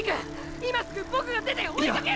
今すぐボクが出て追いかける！！